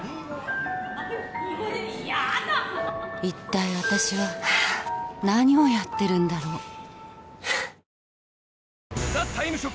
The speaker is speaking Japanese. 一体私は何をやっているんだろう